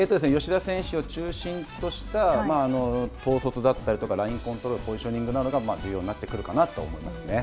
吉田選手を中心とした、統率だったり、ラインコントロール、ポジショニングなどが重要になってくるかなと思います。